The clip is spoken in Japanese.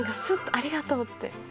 スッとありがとうって。